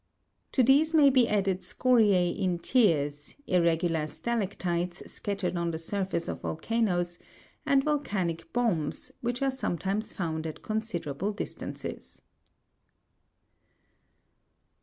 To these may be added scoriee in tears, irregular stala'ctites scattered on the surface of volcanoes, and volcanic bombs, which are sometimes found at considerable distances.